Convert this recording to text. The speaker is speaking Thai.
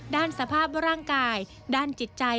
ด้านสภาพร่างกายด้านจิตใจ